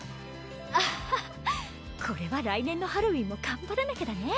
アハハこれは来年のハロウィーンもがんばらなきゃだね